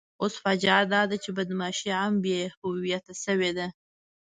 اوس فاجعه داده چې بدماشي هم بې هویته شوې ده.